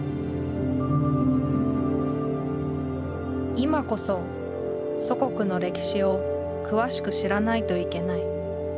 今こそ祖国の歴史を詳しく知らないといけない。